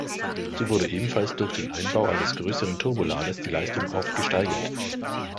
So wurde ebenfalls durch den Einbau eines größeren Turboladers die Leistung auf gesteigert.